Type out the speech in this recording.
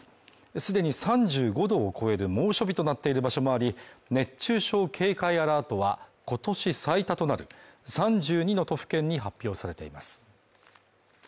既に３５度を超える猛暑日となっている場所もあり、熱中症警戒アラートは今年最多となる３２の都府県に発表されています。